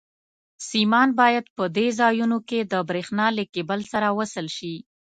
سیمان باید په دې ځایونو کې د برېښنا له کېبل سره وصل شي.